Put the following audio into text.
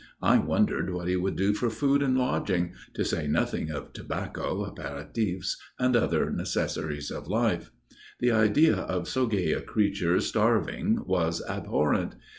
I wondered what he would do for food and lodging, to say nothing of tobacco, apéritifs, and other such necessaries of life. The idea of so gay a creature starving was abhorrent.